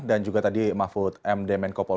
dan juga tadi mahfud m demen kopol